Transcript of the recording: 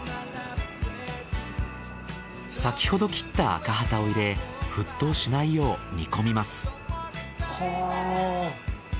先ほど切ったアカハタを入れ沸騰しないよう煮込みます。